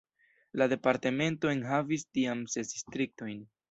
La departemento enhavis tiam ses distriktojn.